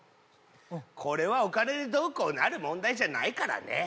これはお金でどうこうなる問題じゃないからね